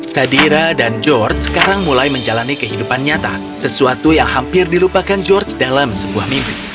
sadira dan george sekarang mulai menjalani kehidupan nyata sesuatu yang hampir dilupakan george dalam sebuah mimpi